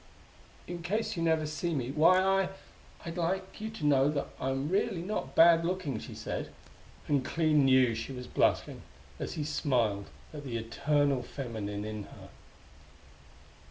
"In case you never see me why, I I'd like you to know that I'm really, not bad looking," she said; and Clee knew she was blushing as he smiled at the eternal feminine in her.